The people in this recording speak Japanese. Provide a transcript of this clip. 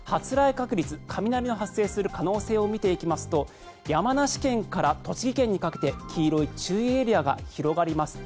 雷の発生する確率を見てみますと山梨県から栃木県にかけて黄色い注意エリアが広がります。